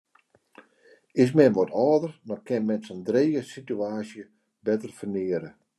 Is men wat âlder, dan kin men sa'n drege sitewaasje better ferneare.